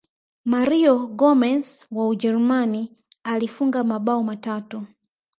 mario gomez wa ujerumani alifunga mabao matatu